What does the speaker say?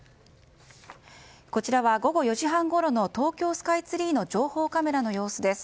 こちらは午後４時半ごろの東京スカイツリーの情報カメラの様子です。